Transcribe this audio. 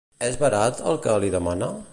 És barat, el que li demana?